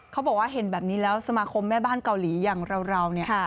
เขาบอกว่าเห็นแบบนี้แล้วสมาคมแม่บ้านเกาหลีอย่างเราเนี่ย